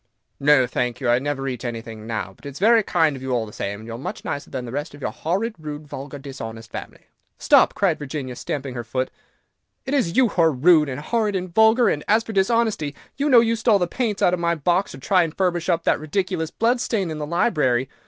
"No, thank you, I never eat anything now; but it is very kind of you, all the same, and you are much nicer than the rest of your horrid, rude, vulgar, dishonest family." "Stop!" cried Virginia, stamping her foot, "it is you who are rude, and horrid, and vulgar, and as for dishonesty, you know you stole the paints out of my box to try and furbish up that ridiculous blood stain in the library.